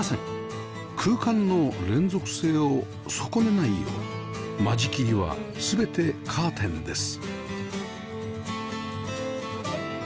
空間の連続性を損ねないよう間仕切りは全てカーテンです